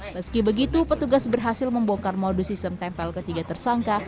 meski begitu petugas berhasil membongkar modus sistem tempel ketiga tersangka